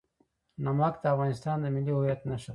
نمک د افغانستان د ملي هویت نښه ده.